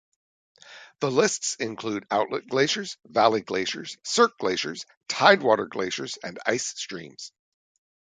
The lists include outlet glaciers, valley glaciers, cirque glaciers, tidewater glaciers and ice streams.